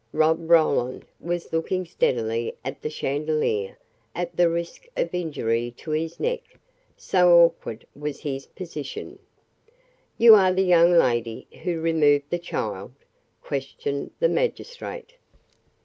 Rob Roland was looking steadily at the chandelier at the risk of injury to his neck so awkward was his position. "You are the young lady who removed the child?" questioned the magistrate.